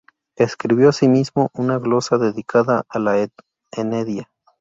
Escribió, asimismo, una glosa dedicada a "La Eneida".